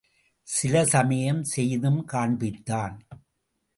சில சமயம் செய்தும் காண்பித்தான்.